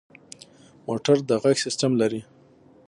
موټر د غږ سیسټم لري.